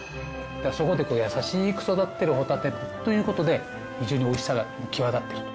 そこで優しく育ってるホタテということで非常においしさが際立ってる。